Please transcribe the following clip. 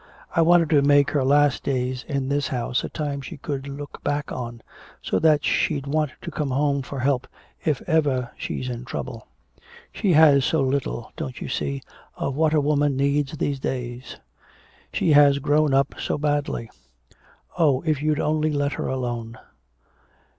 "I wanted to make her last days in this house a time she could look back on, so that she'd want to come home for help if ever she's in trouble. She has so little don't you see? of what a woman needs these days. She has grown up so badly. Oh, if you'd only let her alone.